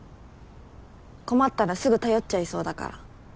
困ったらすぐ頼っちゃいそうだから。